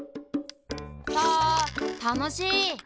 サたのしい！